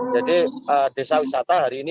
jadi desa wisata hari ini